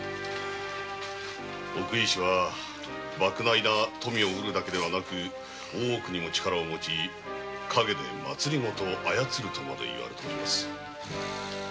奥医師は莫大な富を得るだけでなく大奥にも力をもち陰で政を操るとまで言われております。